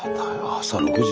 朝６時。